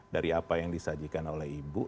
dari apa yang disajikan oleh ibu